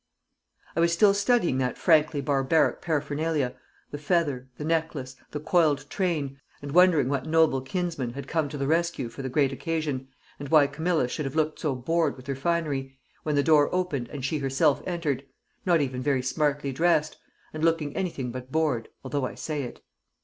I was still studying that frankly barbaric paraphernalia the feather, the necklace, the coiled train and wondering what noble kinsman had come to the rescue for the great occasion, and why Camilla should have looked so bored with her finery, when the door opened and she herself entered not even very smartly dressed and looking anything but bored, although I say it.